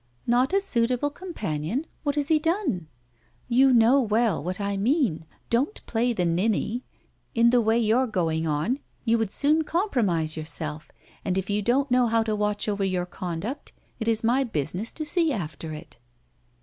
"Not a suitable companion? What has he done?" "You know well what I mean don't play the ninny! In the way you're going on, you would soon compromise yourself; and if you don't know how to watch over your conduct, it is my business to see after it."